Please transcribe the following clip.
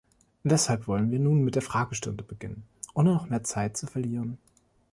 Deshalb wollen wir nun mit der Fragestunde beginnen, ohne noch mehr Zeit zu verlieren.